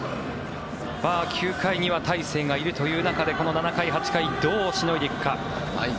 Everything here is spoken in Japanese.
９回には大勢がいるという中でこの７回、８回どうしのいでいくか。